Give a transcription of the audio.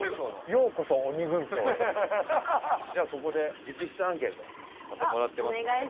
じゃあここで直筆アンケートをまたもらってますんで。